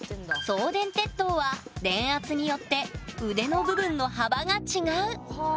送電鉄塔は電圧によって腕の部分の幅が違う。